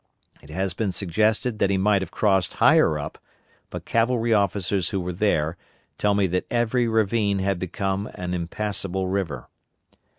It has been suggested that he might have crossed higher up, but cavalry officers who were there, tell me that every ravine had become an impassable river.